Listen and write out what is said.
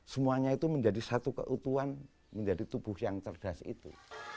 semuanya itu menjadi satu keutuhan menjadi tubuh yang cerdas itu